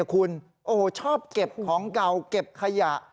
คุณชอบเก็บของเก่าเก็บขยะ